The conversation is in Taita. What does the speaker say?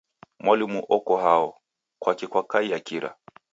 Mwalumu oko hao, kwaki kwakaiya kira?